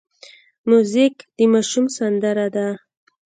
موزیک د ماشوم سندره ده.